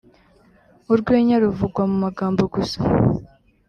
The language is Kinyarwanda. Urwenya ruvugwa mu magambo gusa